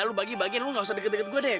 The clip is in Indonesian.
lo bagi bagiin lo gak usah deket deket gue deh